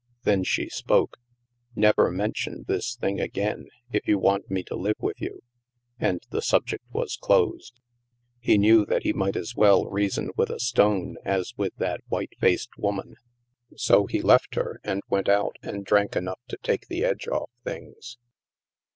Then she spoke. " Never mention this thing again, if you want me to live with you," and the subject was closed. He knew that he might as well reason with a stone as with that white faced woman. 204 THE MASK So he left her, and went out, and drank enough to take the edge oflf things.